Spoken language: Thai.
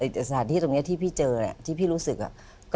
สถานที่ตรงนี้ที่พี่เจอที่พี่รู้สึก